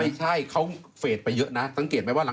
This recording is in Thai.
ไม่ใช่เขาเฟสไปเยอะนะสังเกตไหมว่าหลัง